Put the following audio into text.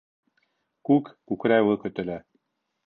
Күк күкрәүе көтөлә